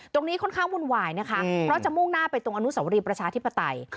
ตรงนี้ค่อนข้างวุ่นวายนะคะเพราะจะมุ่งหน้าไปตรงอนุสวรีประชาธิปไตย